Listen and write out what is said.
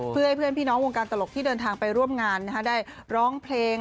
เพื่อให้เพื่อนพี่น้องวงการตลกที่เดินทางไปร่วมงานได้ร้องเพลง